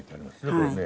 これね。